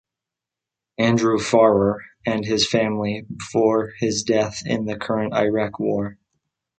Andrew Farrar and his family before his death in the current Iraq War.